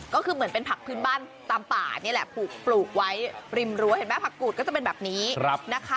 ก็คือเหมือนเป็นผักพื้นบ้านตามป่านี่แหละปลูกไว้ริมรั้วเห็นไหมผักกูดก็จะเป็นแบบนี้นะคะ